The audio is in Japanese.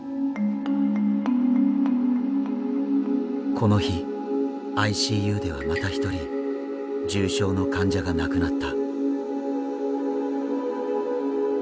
この日ＩＣＵではまた一人重症の患者が亡くなった。